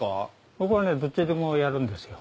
僕はねどっちでもやるんですよ。